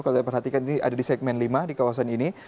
kalau saya perhatikan ini ada di segmen lima di kawasan ini